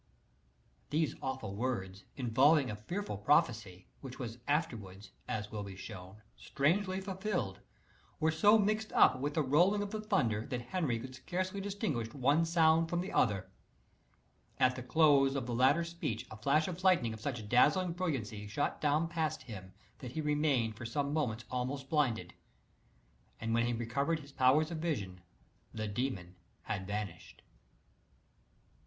These awful words, involving a fearful prophecy, which was afterwards, as will be shown, strangely fulfilled, were so mixed up with the rolling of the thunder that Henry could scarcely distinguish one sound from the other. At the close of the latter speech a flash of lightning of such dazzling brilliancy shot down past him, that he remained for some moments almost blinded; and when he recovered his powers of vision the demon had vanished.